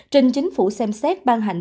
trên chính phủ xem xét ban hành